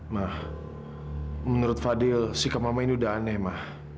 ma menurut fadil sikap mama ini udah aneh ma